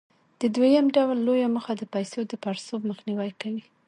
د دویم ډول لویه موخه د پیسو د پړسوب مخنیوى دی.